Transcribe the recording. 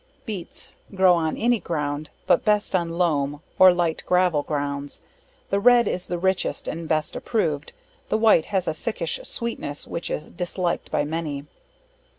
Beets, grow on any ground, but best on loom, or light gravel grounds; the red is the richest and best approved; the white has a sickish sweetness, which is disliked by many.